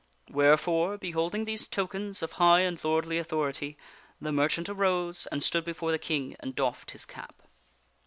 Wherefore, beholding these tokens of high and lordly authority, the merchant arose and stood before the King and doffed his cap.